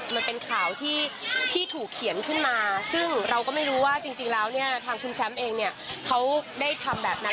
มันเป็นข่าวที่ถูกเขียนขึ้นมาซึ่งเราก็ไม่รู้ว่าจริงแล้วเนี่ยทางคุณแชมป์เองเนี่ยเขาได้ทำแบบนั้น